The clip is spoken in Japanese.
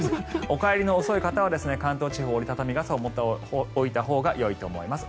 お帰りの遅い方は関東地方、折り畳み傘を持っていたほうがいいと思います。